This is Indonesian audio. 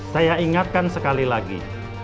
saya ingatkan sekali lagi